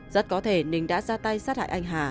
rất có thể ninh đã ra tay sát hại anh hà